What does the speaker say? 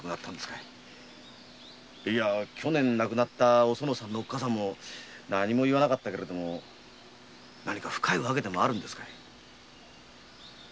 去年亡くなったおそのさんのおっ母さんも何も言わなかったけど何か深い訳でもあるんですかい？